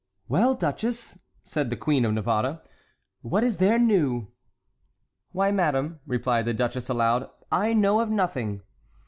"Well, duchess!" said the Queen of Navarre, "what is there new?" "Why, madame," replied the duchess, aloud, "I know of nothing."